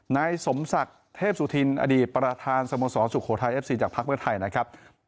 นายสมศักดิ์เทพสุธินอดีตประธานสโมสรสุโขทัยเอฟซีจากภักดิ์เพื่อไทยนะครับ